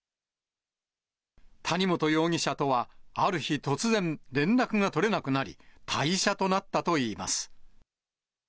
谷本容疑者とは、ある日突然、連絡が取れなくなり、退社となったといいます。